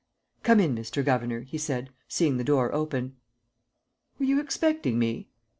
"Come in, Mr. Governor," he said, seeing the door open. "Were you expecting me?"